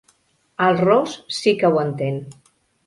El ros sí que ho entén.